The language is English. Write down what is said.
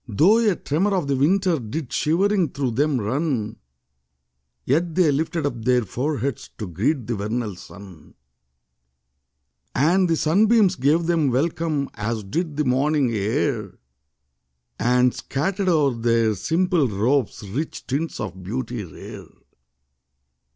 5 Though a tremor of the winter Did shivering through them run; Yet they lifted up their foreheads To greet the vernal sun. And the sunbeams gave them welcome. As did the morning air And scattered o'er their simple robes Rich tints of beauty rare.